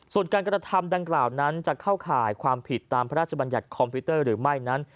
ส่วนการกระทำดังกล่าวนั้นจะเข้าข่ายความผิดตามพระราชบัญญัติคอมพิวเตอร์หรือไม่นั้น